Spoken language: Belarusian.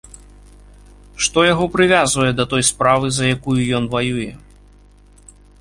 Што яго прывязвае да той справы, за якую ён ваюе?